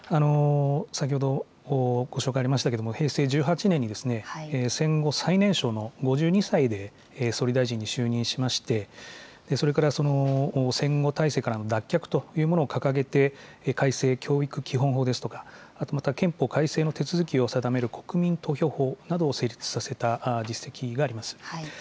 先ほどご紹介ありましたけれども、平成１８年に、戦後最年少の５２歳で総理大臣に就任しまして、それから戦後体制からの脱却というものを掲げて、改正教育基本法ですとか、あとまた憲法改正の手続きを定める国民投票法などを成立させた実績があります。